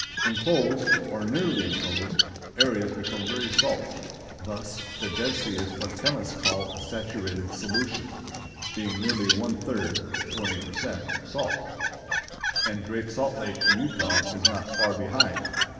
Inclosed, or nearly inclosed, areas become very salt. Thus the Dead Sea is what chemists call a saturated solution, being nearly one third (28 per cent.) salt, and Great Salt Lake in Utah is not far behind.